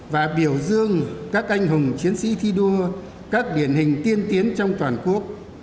và biểu dương các anh hùng chiến sĩ thi đua các điển hình tiên tiến trong toàn quốc